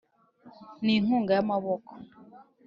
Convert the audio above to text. n’inkunga y’amaboko